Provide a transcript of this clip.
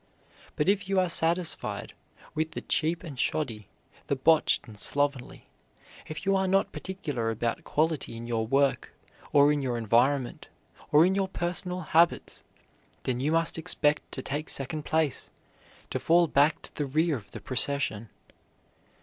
But if you are satisfied with the cheap and shoddy, the botched and slovenly, if you are not particular about quality in your work, or in your environment, or in your personal habits, then you must expect to take second place, to fall back to the rear of the procession.